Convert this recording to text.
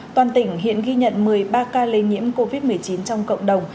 toàn tỉnh hiện ghi nhận một mươi ba ca lây nhiễm covid một mươi chín trong cộng đồng